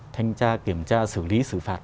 thanh tra kiểm tra xử lý xử phạt